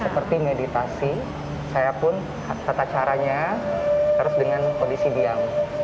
seperti meditasi saya pun tata caranya harus dengan kondisi diam